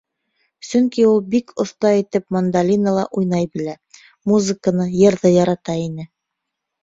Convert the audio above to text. Сөнки ул бик оҫта итеп мандолинала уйнай белә, музыканы, йырҙы ярата ине.